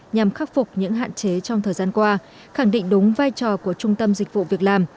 nhằm khắc phục những hạn chế trong thời gian qua khẳng định đúng vai trò của trung tâm dịch vụ việc làm